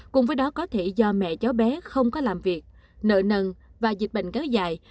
cùng với đó có thể do mẹ cháu bé không có làm việc nợ nần và dịch bệnh kéo dài